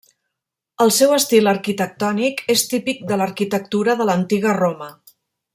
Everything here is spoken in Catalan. El seu estil arquitectònic és típic de l'arquitectura de l'antiga Roma.